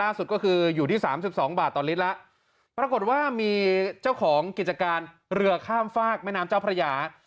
สุดก็คืออยู่ที่สามสิบสองบาทต่อลิตรแล้วปรากฏว่ามีเจ้าของกิจการเรือข้ามฝากแม่น้ำเจ้าพระยา